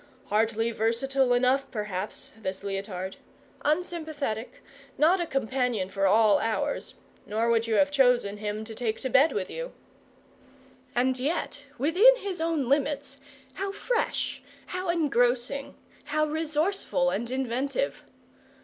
Hardly versatile enough, perhaps, this Leotard; unsympathetic, not a companion for all hours; nor would you have chosen him to take to bed with you. And yet, within his own limits, how fresh, how engrossing, how resourceful and inventive!